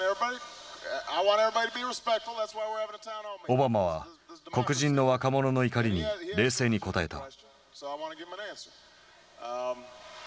オバマは黒人の若者の怒りに冷静に答えた。